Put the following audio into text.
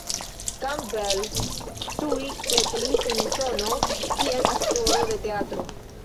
Campbell tuj setlis en Usono kiel aktoro de teatro.